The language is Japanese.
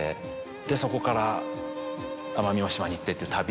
でそこから奄美大島に行ってっていう旅を。